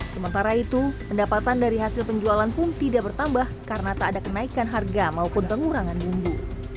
sementara itu pendapatan dari hasil penjualan pun tidak bertambah karena tak ada kenaikan harga maupun pengurangan bumbu